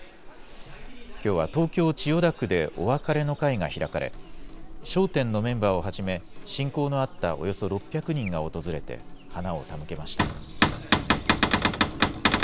きょうは東京・千代田区でお別れの会が開かれ、笑点のメンバーをはじめ、親交のあったおよそ６００人が訪れて、花を手向けました。